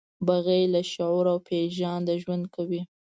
بغیر له شعور او پېژانده ژوند کوي.